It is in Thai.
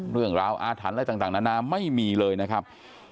เรื่องราวอาถรรพ์อะไรต่างนานาไม่มีเลยนะครับ